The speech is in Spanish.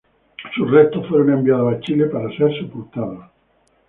Sus restos fueron enviados a Chile para ser sepultados.